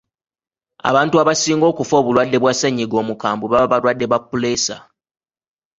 Abantu abasinga okufa obulwadde bwa ssennyiga omukambwe baba balwadde ba puleesa.